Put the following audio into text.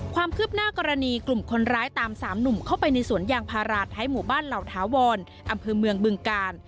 ความคืบหน้ากรณีกลุ่มคนร้ายตามสามหนุ่มเข้าไปในสวนยางพาราท้ายหมู่บ้านเหล่าถาวรอำเภอเมืองบึงกาล